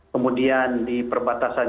kemudian di perbatasan